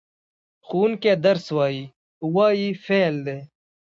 ښوونکی درس وايي – "وايي" فعل دی.